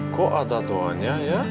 kok ada doanya ya